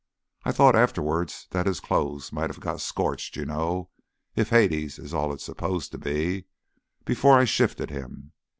I thought afterwards that his clothes might have got scorched, you know if Hades is all it's supposed to be before I shifted him.